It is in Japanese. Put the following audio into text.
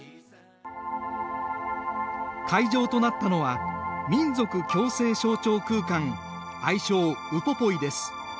会場となったのは民族共生象徴空間愛称ウポポイです。